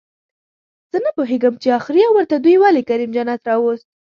زه نپوهېږم چې اخري اوور ته دوئ ولې کریم جنت راووست